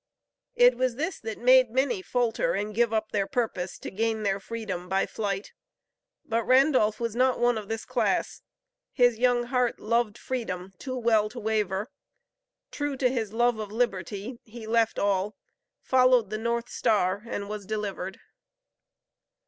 It was this that made many falter and give up their purpose to gain their freedom by flight, but Randolph was not one of this class. His young heart loved freedom too well to waver. True to his love of liberty, he left all, followed the north star, and was delivered.